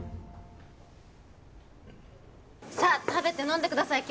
さあ食べて飲んでください